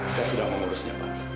saya sudah mengurusnya pak